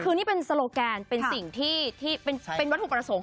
คือนี่เป็นโซโลแกนเป็นสิ่งที่เป็นวัตถุประสงค์